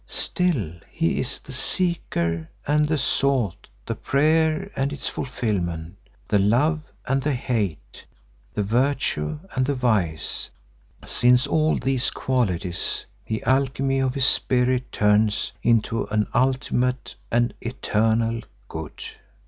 Still he is the Seeker and the Sought, the Prayer and its Fulfilment, the Love and the Hate, the Virtue and the Vice, since all these qualities the alchemy of his spirit turns into an ultimate and eternal Good.